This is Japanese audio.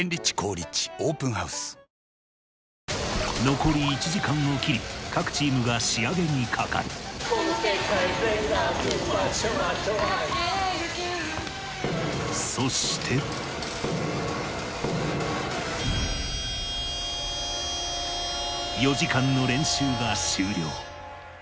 残り１時間を切り各チームが仕上げにかかる４時間の練習が終了